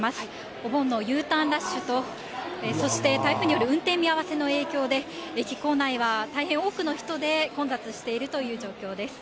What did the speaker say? お盆のＵターンラッシュと、そして台風による運転見合わせの影響で、駅構内は大変多くの人で混雑しているという状況です。